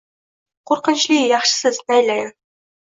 Qoʻrqinchli yaxshisiz, naylayin.